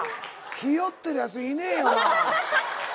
ひよってるやついねえよな。